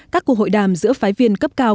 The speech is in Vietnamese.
các cuộc hội đàm giữa phái viên cấp cao